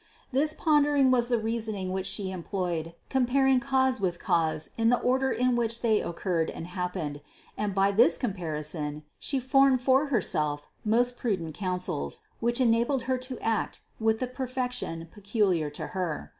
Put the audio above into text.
This pondering was the reasoning which She employed, comparing cause with cause in the order in which they occurred and happened, and by this comparison She formed for Herself most prudent counsels, which enabled Her to act with the perfection peculiar to Her.